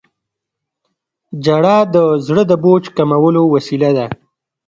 • ژړا د زړه د بوج کمولو وسیله ده.